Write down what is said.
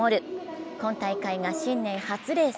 今大会が新年初レース。